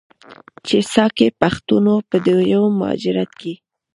چې ساکي پښتنو په دویم مهاجرت کې،